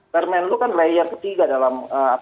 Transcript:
permenlu kan layar ketiga dalam